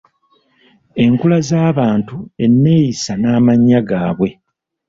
Enkula z’abantu, enneeyisa n’amannya gaabwe.